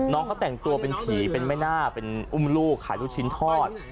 น้องเต่งตัวเป็นผีม่ายหน้ามีชิ้นทอด